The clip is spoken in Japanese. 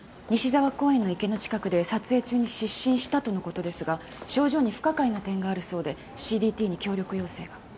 西澤公園の池の近くで撮影中に失神したとのことですが症状に不可解な点があるそうでＣＤＴに協力要請が。